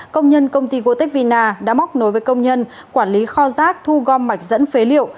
công nhân công ty gotevina đã móc nối với công nhân quản lý kho rác thu gom mạch dẫn phế liệu